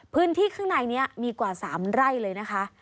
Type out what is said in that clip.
พื้นที่ข้างในนี้มีกว่า๓ไร่เลยนะคะ